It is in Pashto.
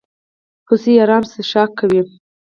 هوسۍ ارام څښاک کوي.